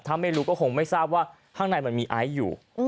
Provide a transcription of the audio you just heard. ถ้าไม่รู้ก็คงไม่ทราบว่าข้างในมันมีไอซ์อยู่